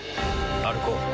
歩こう。